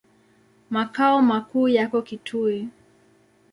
Makao makuu yako Kitui.